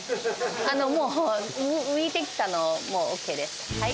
もう、浮いてきたのを、ＯＫです。